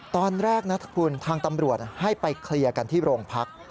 ตอนแรกนะคุณทางตำรวจให้ไปเคลียร์กันที่โรงพัก